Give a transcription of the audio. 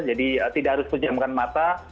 jadi tidak harus penjamkan mata